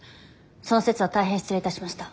その節は大変失礼いたしました。